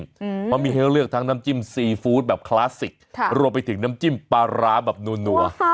เพราะมีให้เลือกทั้งน้ำจิ้มซีฟู้ดแบบคลาสสิกรวมไปถึงน้ำจิ้มปลาร้าแบบนัว